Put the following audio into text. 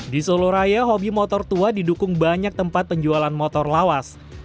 di solo raya hobi motor tua didukung banyak tempat penjualan motor lawas